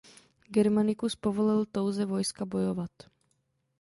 Germanicus povolil touze vojska bojovat.